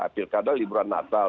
pilkada liburan natal